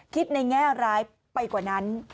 คิดในแง่ร้ายไปกว่านั้น